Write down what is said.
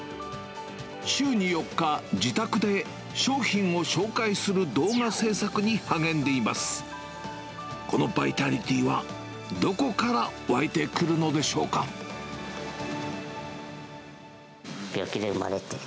週に４日、自宅で商品を紹介する動画制作に励んでいます。